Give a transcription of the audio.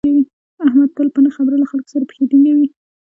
احمد تل په نه خبره له خلکو سره پښې ټینگوي.